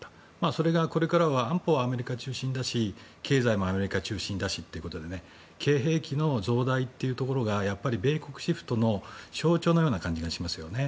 それが、これからは安保はアメリカ中心だし経済もアメリカ中心だしということでＫ‐兵器の増大が米国シフトの象徴のような感じがしますよね。